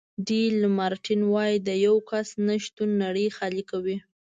ډي لمارټین وایي د یو کس نه شتون نړۍ خالي کوي.